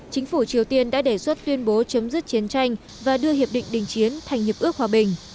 chính phủ triều tiên đã đề xuất tuyên bố chấm dứt chiến tranh và đưa hiệp định đình chiến thành hiệp ước hòa bình